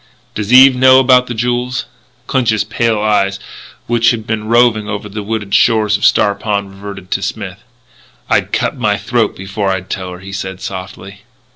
"Does Eve know about the jewels?" Clinch's pale eyes, which had been roving over the wooded shores of Star Pond, reverted to Smith. "I'd cut my throat before I'd tell her," he said softly.